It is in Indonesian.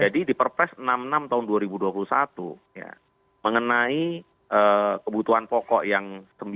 jadi di perpres enam puluh enam tahun dua ribu dua puluh satu ya mengenai kebutuhan pokok yang sembilan